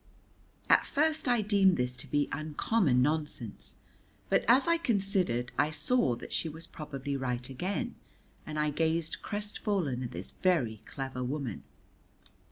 At first I deemed this to be uncommon nonsense, but as I considered I saw that she was probably right again, and I gazed crestfallen at this very clever woman.